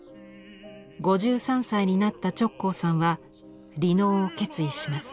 ５３歳になった直行さんは離農を決意します。